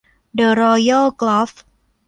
เดอะรอยัลกอล์ฟ